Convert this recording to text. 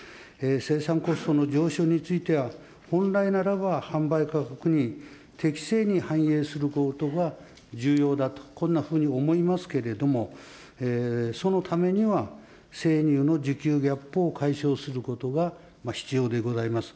生産コストの上昇については、本来ならば販売価格に適正に反映することが重要だと、こんなふうに思いますけれども、そのためには生乳の需給ギャップを解消することは必要でございます。